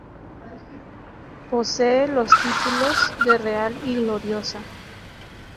Posee los títulos de Real y Gloriosa.